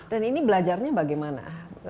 dan ini belajarnya bagaimana